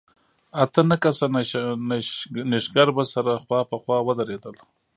اته نه کسه نېشګر به سره خوا په خوا ودرېدل.